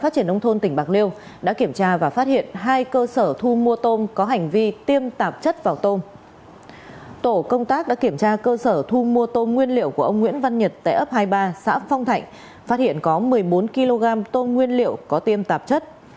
tổ công tác đã kiểm tra cơ sở thu mua tôm nguyên liệu của ông nguyễn văn nhật tại ấp hai mươi ba xã phong thạnh phát hiện có một mươi bốn kg tôm nguyên liệu có tiêm tạp chất